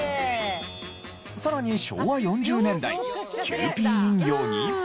さらに昭和４０年代キューピー人形に。